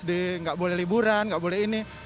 di nggak boleh liburan nggak boleh ini